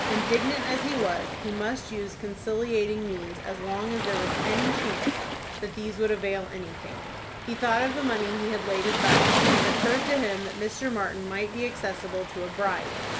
Indignant as he was, he must use conciliating means as long as there was any chance that these would avail anything. He thought of the money he had laid aside, and it occurred to him that Mr. Martin might be accessible to a bribe.